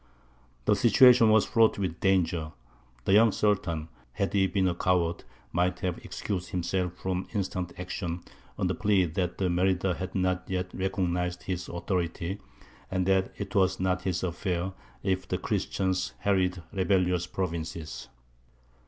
The situation was fraught with danger. The young Sultan, had he been a coward, might have excused himself from instant action on the plea that Merida had not yet recognized his authority, and that it was not his affair if the Christians harried rebellious provinces.